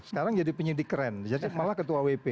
sekarang jadi penyidik keren jadi malah ketua wp